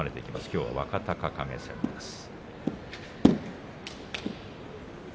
きょうは若隆景戦です。